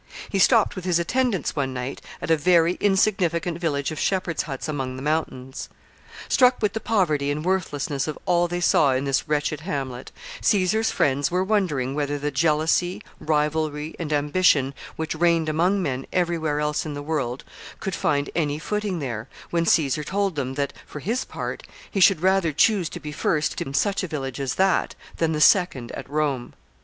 He stopped with his attendants one night at a very insignificant village of shepherds' huts among the mountains. Struck with the poverty and worthlessness of all they saw in this wretched hamlet, Caesar's friends were wondering whether the jealousy, rivalry, and ambition which reigned among men every where else in the world could find any footing there, when Caesar told them that, for his part, he should rather choose to be first in such a village as that than the second at Rome.